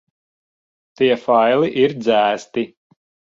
Tie faili ir dzēsti.